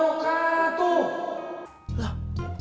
wa rahmatullahi wa barakatuh